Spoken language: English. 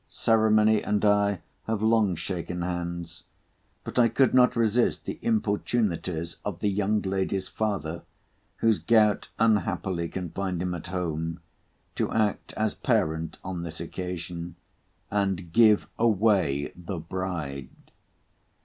Ceremony and I have long shaken hands; but I could not resist the importunities of the young lady's father, whose gout unhappily confined him at home, to act as parent on this occasion, and give away the bride.